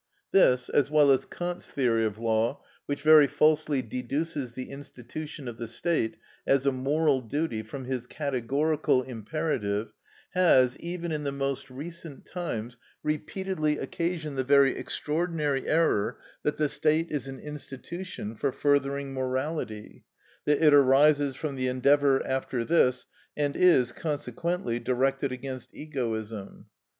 This, as well as Kant's theory of law, which very falsely deduces the institution of the state as a moral duty from his categorical imperative, has, even in the most recent times, repeatedly occasioned the very extraordinary error that the state is an institution for furthering morality; that it arises from the endeavour after this, and is, consequently, directed against egoism.